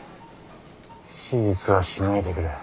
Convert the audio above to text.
手術はしないでくれ。